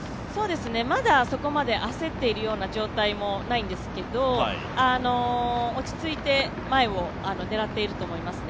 まだ、そこまで焦っているような状態もないんですけど落ち着いて前を狙っていると思いますね。